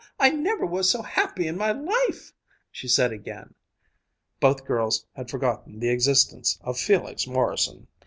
"I never was so happy in my life!" she said again. Both girls had forgotten the existence of Felix Morrison.